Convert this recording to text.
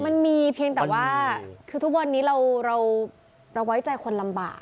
มันมีเพียงแต่ว่าคือทุกวันนี้เราไว้ใจคนลำบาก